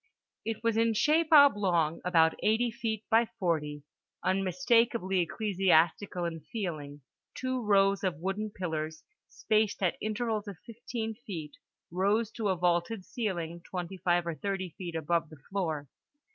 It was in shape oblong, about 80 feet by 40, unmistakably ecclesiastical in feeling; two rows of wooden pillars, spaced at intervals of fifteen feet, rose to a vaulted ceiling 25 or 30 feet above the floor.